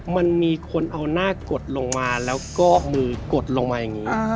มันมีคนเอาหน้ากดลงมาแล้วก็มือกดลงมาอย่างนี้